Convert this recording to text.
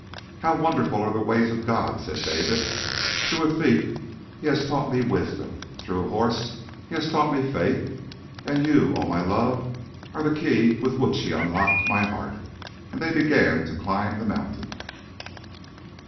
"How wonderful are the ways of God!" said David. "Through a thief he has taught me wisdom; through a horse he has taught me faith; and you, oh, my love, are the key with which he has unlocked my heart!" And they began to climb the mountain.